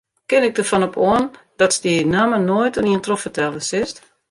Kin ik derfan op oan datst dy namme noait oan ien trochfertelle silst?